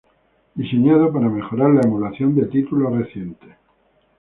Diseñado para mejorar la emulación de títulos recientes.